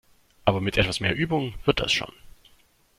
Aber mit etwas mehr Übung wird das schon!